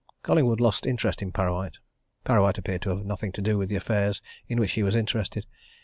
Collingwood lost interest in Parrawhite. Parrawhite appeared to have nothing to do with the affairs in which he was interested.